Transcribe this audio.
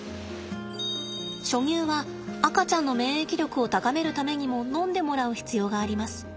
初乳は赤ちゃんの免疫力を高めるためにも飲んでもらう必要があります。